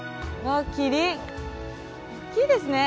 大きいですね。